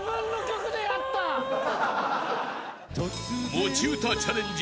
［持ち歌チャレンジ